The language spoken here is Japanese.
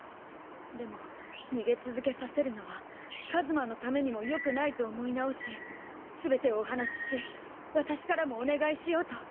でも逃げ続けさせるのは一馬のためにも良くないと思い直し全てをお話しし私からもお願いしようと。